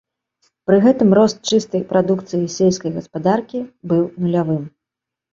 Пры гэтым рост чыстай прадукцыі сельскай гаспадаркі быў нулявым.